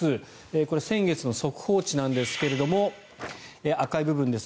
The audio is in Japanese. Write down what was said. これ、先月の速報値なんですが赤い部分です。